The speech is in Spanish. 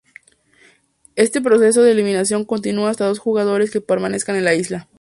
Este proceso de eliminación continúa hasta dos jugadores que permanezcan en la isla.